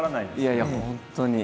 いやいや本当に。